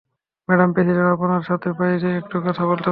Madam president, আপনার সাথে বাইরে একটু বলতে পারি?